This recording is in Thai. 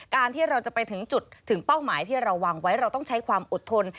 ที่เราจะไปถึงจุดถึงเป้าหมายที่เราวางไว้เราต้องใช้ความอดทน